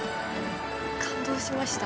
感動しました。